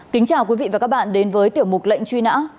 kính chào quý vị và các bạn đến với tiểu mục lệnh truy nã